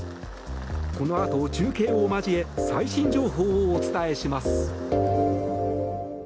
このあと、中継を交え最新情報をお伝えします。